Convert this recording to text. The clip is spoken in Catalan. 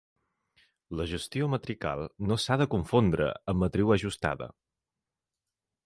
La gestió matrical no s'ha de confondre amb "matriu ajustada".